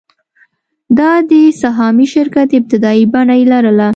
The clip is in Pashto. دا د سهامي شرکت ابتدايي بڼه یې لرله.